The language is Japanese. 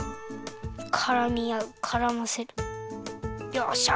よっしゃ！